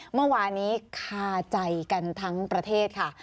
เมื่อวานนี้คาใจกันทั้งประเทศค่ะ